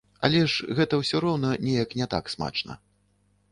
Але ж гэта ўсё роўна неяк не так смачна.